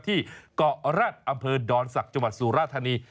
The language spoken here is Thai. ที่เกาะแร็ดอำเภอดอนศักดิ์จังหวัดสุราธานี